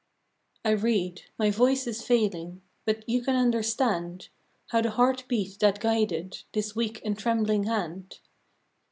I read — my voice is failing, But you can understand How the heart beat that guided This weak and trembling hand.